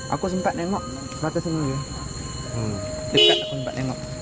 aku sempat nengok